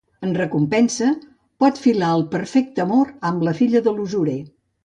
En recompensa, pot filar el perfecte amor amb la filla de l'usurer.